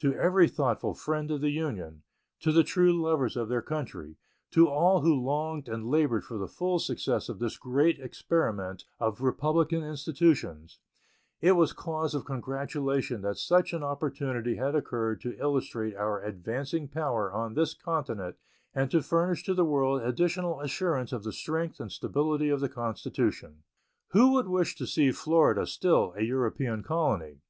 To every thoughtful friend of the Union, to the true lovers of their country, to all who longed and labored for the full success of this great experiment of republican institutions, it was cause of gratulation that such an opportunity had occurred to illustrate our advancing power on this continent and to furnish to the world additional assurance of the strength and stability of the Constitution. Who would wish to see Florida still a European colony?